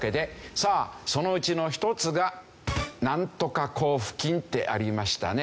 さあそのうちの一つがなんとか交付金ってありましたね。